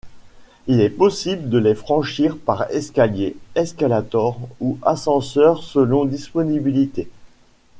Il est possible de les franchir par escalier, escalator, ou ascenseur selon disponibilité.